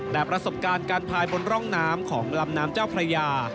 แต่ประสบการณ์การพายบนร่องน้ำของลำน้ำเจ้าพระยา